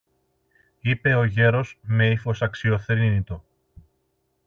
είπε ο γέρος με ύφος αξιοθρήνητο.